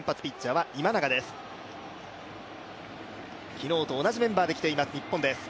昨日と同じメンバーできています日本です。